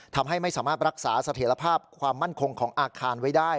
ทำให้ไม่สามารถรักษาเสถียรภาพความมั่นคงของอาคารไว้ได้